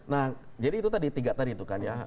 nah jadi itu tadi tiga tadi itu kan ya